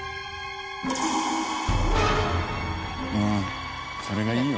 うんそれがいいよ。